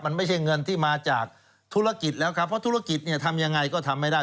มันไม่ใช่เงินที่มาจากธุรกิจแล้วครับเพราะธุรกิจเนี่ยทำยังไงก็ทำไม่ได้